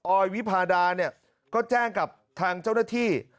อยวิพาดาเนี่ยก็แจ้งกับทางเจ้าหน้าที่